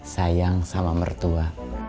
sayang sama mertua